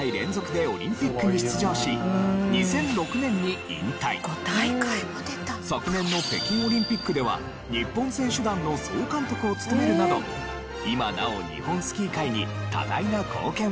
現役時代には昨年の北京オリンピックでは日本選手団の総監督を務めるなど今なお日本スキー界に多大な貢献を果たされています。